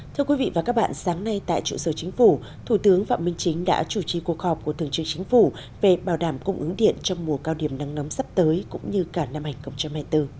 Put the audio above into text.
thưa quý vị và các bạn sáng nay tại trụ sở chính phủ thủ tướng phạm minh chính đã chủ trì cuộc họp của thường trưởng chính phủ về bảo đảm cung ứng điện trong mùa cao điểm nắng nóng sắp tới cũng như cả năm hai nghìn hai mươi bốn